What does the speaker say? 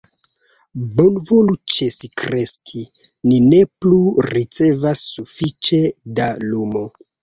"Bonvolu ĉesi kreski, ni ne plu ricevas sufiĉe da lumo."